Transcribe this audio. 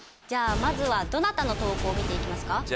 じゃあまずはどなたの投稿を見ていきますか？